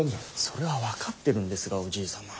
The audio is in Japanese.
それは分かってるんですがおじい様。